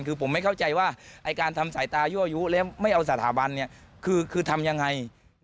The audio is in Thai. คือผมไม่เข้าใจว่าไอ้การทำสายตายั่วยุแล้วไม่เอาสถาบันเนี่ยคือทำยังไง